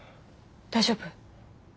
大丈夫？